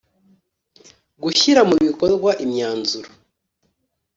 gushyira mu bikorwa imyanzuro